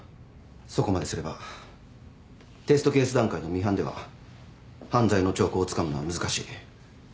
そこまですればテストケース段階のミハンでは犯罪の兆候をつかむのは難しい。